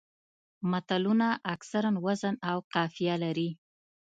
متلونه اکثره وزن او قافیه لري